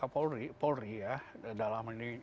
mungkin juga pak polri ya dalam hal ini